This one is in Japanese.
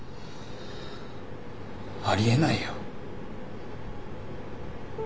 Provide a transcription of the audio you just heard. ありえないよ。